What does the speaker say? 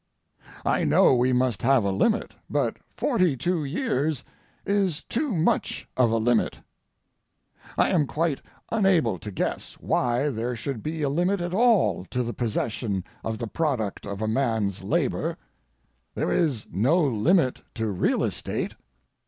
I know we must have a limit, but forty two years is too much of a limit. I am quite unable to guess why there should be a limit at all to the possession of the product of a man's labor. There is no limit to real estate.